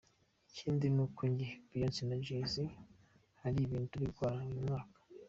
Ikindi ni uko njye, Beyoncé na Jay Z hari ibintu turi gukorana uyu mwaka.